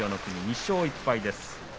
２勝１敗です。